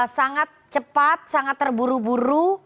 sangat cepat sangat terburu buru